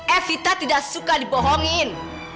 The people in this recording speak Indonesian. evita tidak suka dibohongin